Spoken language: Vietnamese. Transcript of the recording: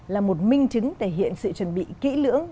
là một minh chứng thể hiện sự chuẩn bị kỹ lưỡng